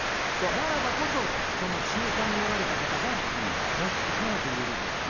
ならばこそ、その中間におられた方がもっと早く言うべきだった。